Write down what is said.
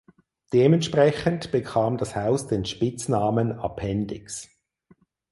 Dementsprechend bekam das Haus den Spitznamen „Appendix“.